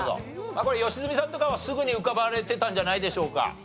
これ良純さんとかはすぐに浮かばれてたんじゃないでしょうか？